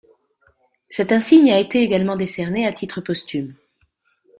Cet insigne a été également décerné à titre posthume.